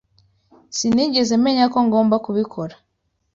Sinigeze menya ko ngomba kubikora.